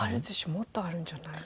もっとあるんじゃない？